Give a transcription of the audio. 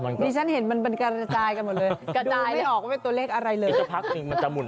นี่ฉันเห็นมันกระจายกันหมดเลย